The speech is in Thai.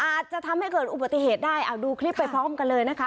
อาจจะทำให้เกิดอุบัติเหตุได้เอาดูคลิปไปพร้อมกันเลยนะคะ